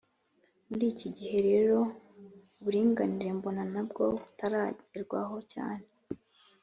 Muri iki gihe rero, uburinganire mbona na bwo butaragerwaho cyane